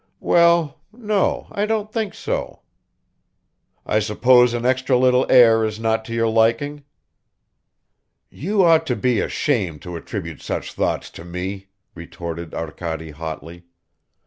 "Well, no, I don't think so." "I suppose an extra little heir is not to your liking." "You ought to be ashamed to attribute such thoughts to me!" retorted Arkady hotly.